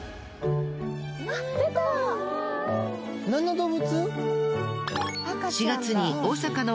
何の動物？